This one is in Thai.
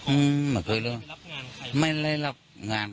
อือก็ไม่เคยรู้จักเขาบางครั้ง